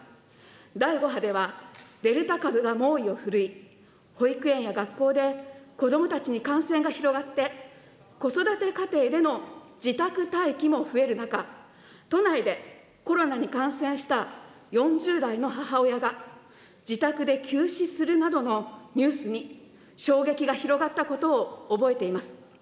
第５波では、デルタ株が猛威を振るい、保育園や学校で子どもたちに感染が広がって、子育て家庭での自宅待機も増える中、都内でコロナに感染した４０代の母親が、自宅で急死するなどのニュースに、衝撃が広がったことを覚えています。